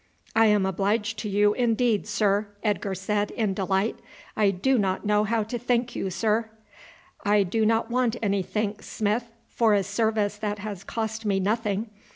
"I am obliged to you indeed, sir," Edgar said in delight. "I do not know how to thank you, sir." "I do not want any thanks, Smith, for a service that has cost me nothing.